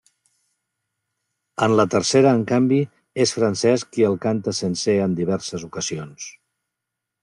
En la tercera, en canvi, és Francesc qui el canta sencer en diverses ocasions.